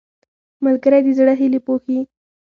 ملګری د زړه هیلې پوښي